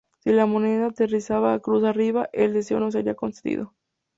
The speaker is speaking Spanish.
Si la moneda aterrizaba "cruz arriba" el deseo no sería concedido.